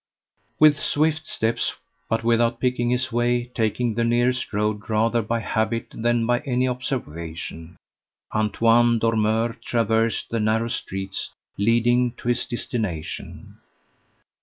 With swift steps, but without picking his way, taking the nearest road rather by habit than with any observation, Antoine Dormeur traversed the narrow streets leading to his destination.